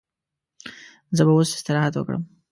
زه به اوس استراحت وکړم.